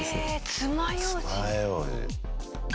つまようじ。